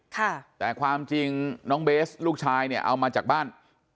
ค่ะแต่ความจริงน้องเบสลูกชายเนี่ยเอามาจากบ้าน